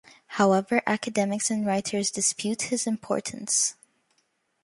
However, academics and writers dispute his importance.